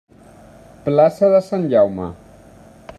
Plaça de Sant Jaume.